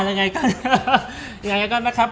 แล้วไงก็นะครับ